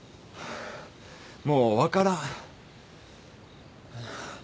もう分からん。